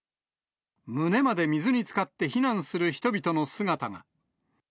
胸まで水につかって避難する人々の姿が。